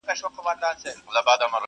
غلیم خو به ویل چي دا وړۍ نه شړۍ کیږي،